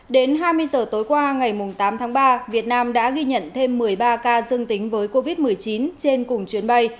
đến hai mươi giờ tối qua ngày tám tháng ba việt nam đã ghi nhận thêm một mươi ba ca dương tính với covid một mươi chín trên cùng chuyến bay